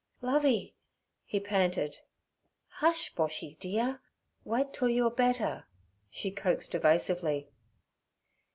'Lovey' he panted. 'Hush, Boshy dear! Wait till you are better' she coaxed evasively.